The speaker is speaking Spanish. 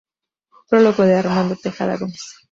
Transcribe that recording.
Prólogo de Armando Tejada Gómez.